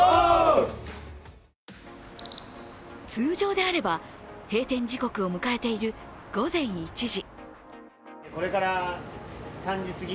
通常であれば閉店時刻を迎えている午前１時。